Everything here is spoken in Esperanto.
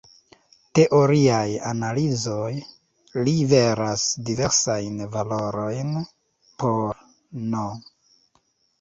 Teoriaj analizoj liveras diversajn valorojn por "n".